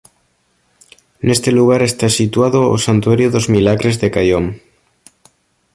Neste lugar está situado o santuario dos Milagres de Caión.